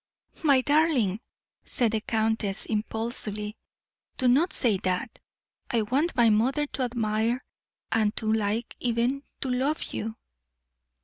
"My darling," said the countess, impulsively, "do not say that. I want my mother to admire and to like, even to love you."